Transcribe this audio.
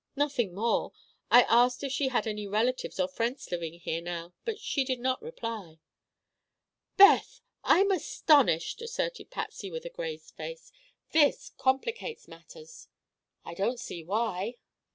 "Nothing more. I asked if she had any relatives or friends living here now, but she did not reply." "Beth, I'm astonished!" asserted Patsy, with a grave face. "This complicates matters." "I don't see why."